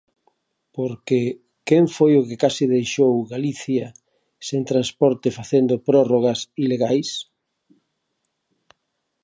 Porque ¿quen foi o que case deixou Galicia sen transporte facendo prórrogas ilegais?